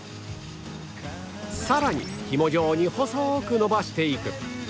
さらにひも状に細く延ばしていく